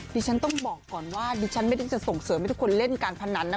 ดิฉันต้องบอกก่อนว่าดิฉันไม่ได้จะส่งเสริมให้ทุกคนเล่นการพนันนะ